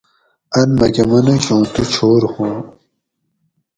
ان مکہ منوش اُوں تو چھور ھواں